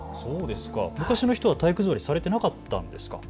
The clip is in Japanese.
昔の人は体育座りされていなかったんですか。